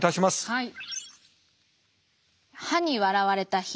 はい。